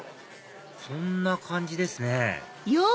そんな感じですね